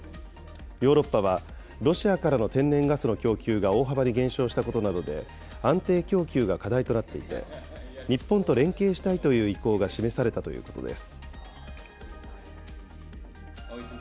ヨーロッパはロシアからの天然ガスの供給が大幅に減少したことなどで安定供給が課題となっていて、日本と連携したいという意向が示されたということです。